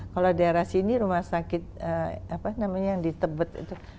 kalau di daerah sini rumah sakit apa namanya yang ditebet